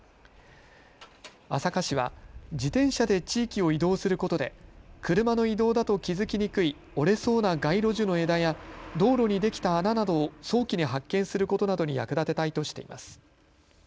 朝霞市は自転車で地域を移動することで車の移動だと気付きにくい折れそうな街路樹の枝や道路にできた穴などを早期に発見することなどに役立てたいとしています。